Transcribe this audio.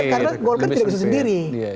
karena golkar tidak bisa sendiri